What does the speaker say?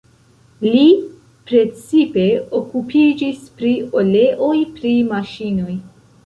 Li precipe okupiĝis pri oleoj pri maŝinoj.